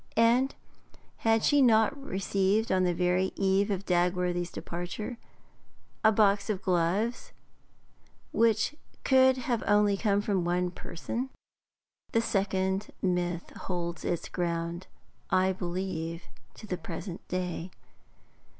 And had she not received, on the very eve of Dagworthy's departure, a box of gloves, which could only come from one person? The second myth holds its ground, I believe, to the present day.